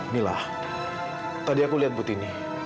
mila tadi aku lihat butini